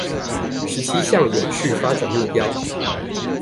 十七項永續發展目標